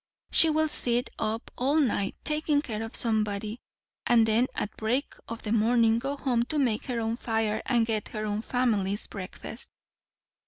She will sit up all night taking care of somebody, and then at break of the morning go home to make her own fire and get her own family's breakfast."